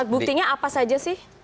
buktinya apa saja sih